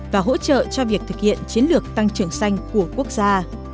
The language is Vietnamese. và hỗ trợ cho việc thực hiện chiến lược tăng trưởng xanh của quốc gia